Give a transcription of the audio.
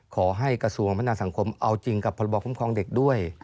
ขอให้กระทรวงพัฒนาสังคมเอาจริงกับพรบคุ้มครองเด็กด้วย